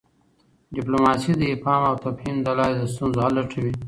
ډیپلوماسي د افهام او تفهیم له لاري د ستونزو حل لټوي.